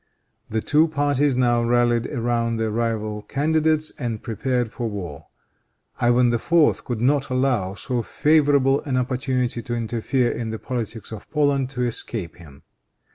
The two parties now rallied around their rival candidates and prepared for war. Ivan IV. could not allow so favorable an opportunity to interfere in the politics of Poland to escape him.